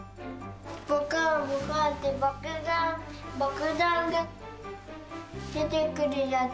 ボカンボカンってばくだんばくだんがでてくるやつ。